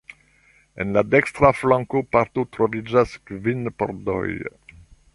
En la dekstra flanka parto troviĝas kvin pordoj.